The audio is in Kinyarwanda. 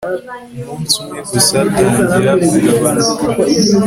Umunsi umwe gusa tangira kugabanuka